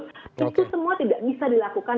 itu semua tidak bisa dilakukan